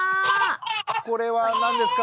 これは何ですか